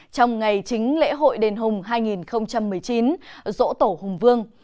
trong ngày chính lễ hội đền hùng hai nghìn một mươi chín dỗ tổ hùng vương